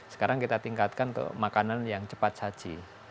sekarang kita tingkatkan untuk makanan yang cepat saji